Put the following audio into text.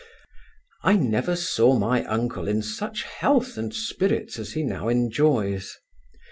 I never saw my uncle in such health and spirits as he now enjoys.